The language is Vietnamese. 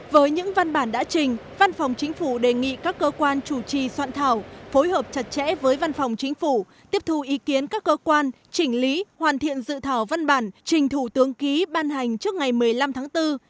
với những văn bản đã trình văn phòng chính phủ đề nghị các cơ quan chủ trì soạn thảo phối hợp chặt chẽ với văn phòng chính phủ tiếp thu ý kiến các cơ quan chỉnh lý hoàn thiện dự thảo văn bản trình thủ tướng ký ban hành trước ngày một mươi năm tháng bốn